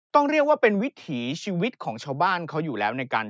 ต้องเรียกว่าเป็นวิถีชีวิตของชาวบ้านเขาอยู่แล้วในการ